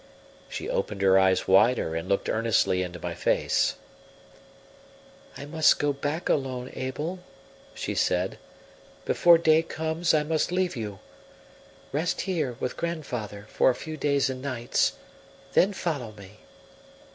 She opened her eyes wider and looked earnestly into my face. "I must go back alone, Abel," she said. "Before day comes I must leave you. Rest here, with grandfather, for a few days and nights, then follow me."